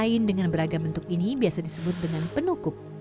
kain dengan beragam bentuk ini biasa disebut dengan penukup